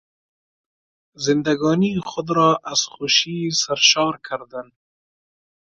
زندگانی خود را از خوشی سرشار کردن